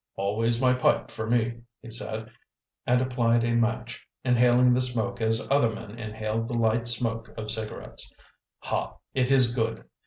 "Always my pipe for me," he said, and applied a match, inhaling the smoke as other men inhale the light smoke of cigarettes. "Ha, it is good!